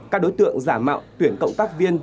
các đối tượng giả mạo tuyển cộng tác viên